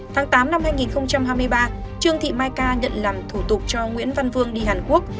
tháng tám năm hai nghìn hai mươi ba trương thị mai ca nhận làm thủ tục cho nguyễn văn vương đi hàn quốc